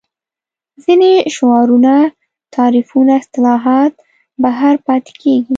ځینې شعارونه تعریفونه اصطلاحات بهر پاتې کېږي